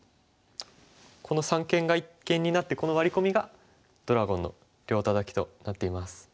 この三間が一間になってこのワリ込みがドラゴンの両タタキとなっています。